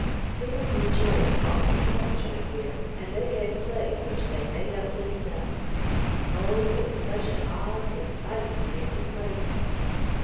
Two or three children often joined Joe here, and they gave plays which they made up themselves. Oh, it was such an odd, exciting place to play in!